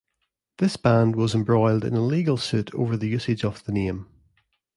This band was embroiled in a legal suit over the usage of the name.